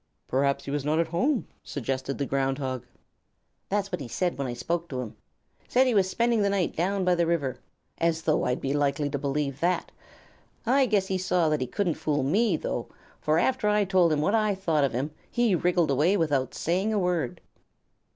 "Perhaps he was not at home," suggested the Ground Hog. "That's what he said when I spoke to him. Said he was spending the night down by the river. As though I'd be likely to believe that! I guess he saw that he couldn't fool me, though, for after I told him what I thought of him he wriggled away without saying a word."